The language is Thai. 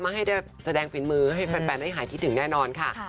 ให้ได้แสดงฝีมือให้แฟนได้หายคิดถึงแน่นอนค่ะ